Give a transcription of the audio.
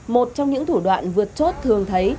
một trong những thủ đoạn vượt chốt thường thấy